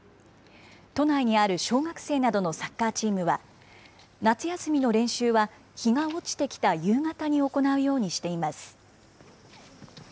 都内にある小学生などのサッカーチームは、夏休みの練習は、日が落ちてきた夕方に行うようにしています。